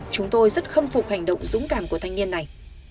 chúng tôi rất khâm phục hành động dũng cảm của thanh niên này